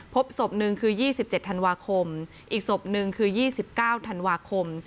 พบศพหนึ่งคือ๒๗ธันวาคมอีกศพหนึ่งคือ๒๙ธันวาคม